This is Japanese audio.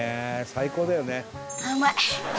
最高だよね！」